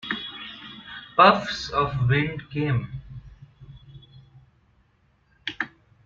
Puffs of wind came.